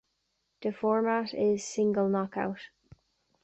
The format is single knockout.